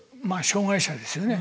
障害者ですよね